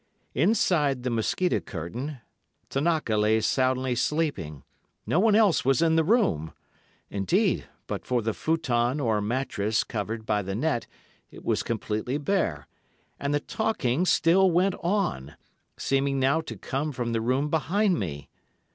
Inside the mosquito curtain, Tanaka lay soundly sleeping—no one else was in the room; indeed, but for the futon or mattress covered by the net it was completely bare, and the talking still went on, seeming now to come from the room behind me.